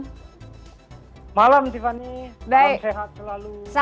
selamat malam tiffany salam sehat selalu